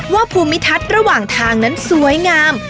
ภูมิทัศน์ระหว่างทางนั้นสวยงาม